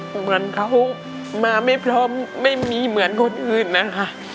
เหมือนเขามาไม่พร้อมไม่มีเหมือนคนอื่นนะคะ